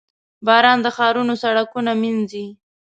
• باران د ښارونو سړکونه مینځي.